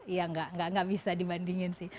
ya nggak bisa dibandingin sih